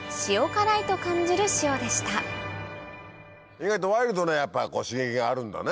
意外とワイルドなやっぱり刺激があるんだね。